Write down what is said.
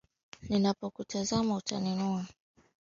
Ninapokutazama utaniinua.